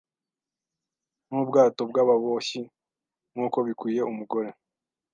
N'ubwato bw'ababoshyi nk'uko bikwiye umugore